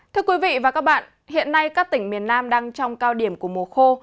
thưa quý vị và các bạn hiện nay các tỉnh miền nam đang trong cao điểm của mùa khô